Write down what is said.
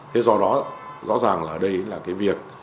thế do đó rõ ràng là đây là cái việc